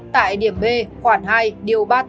tại điểm b khoảng hai điều ba mươi tám